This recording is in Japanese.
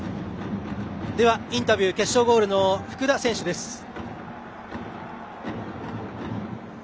インタビューは決勝ゴールの福田選手です。